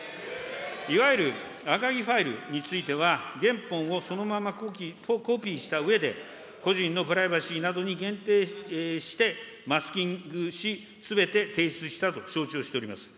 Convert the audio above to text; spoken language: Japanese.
いわゆる赤木ファイルについては、原本をそのままコピーしたうえで、個人のプライバシーなどに限定して、マスキングし、すべて提出したと承知をしております。